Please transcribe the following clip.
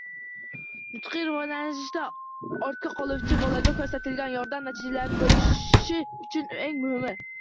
Nutqiy rivojlanishda ortda qoluvchi bolaga ko‘rsatilgan yordam natijali bo‘lishi uchun eng muhimi.